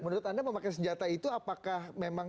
menurut anda memakai senjata itu apakah memang